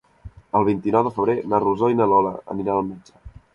El vint-i-nou de febrer na Rosó i na Lola aniran al metge.